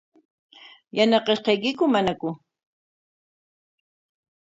¿Yanaqashqaykiku manaku?